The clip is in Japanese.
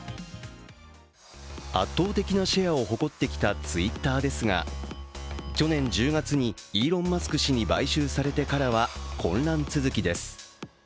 圧倒的なシェアを誇ってきたＴｗｉｔｔｅｒですが、去年１０月にイーロン・マスク氏に買収されてからは混乱続きです。